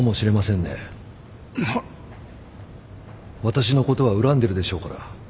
私のことは恨んでるでしょうから。